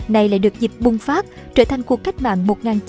này lại được dịp bùng phát trở thành cuộc cách mạng một nghìn chín trăm linh năm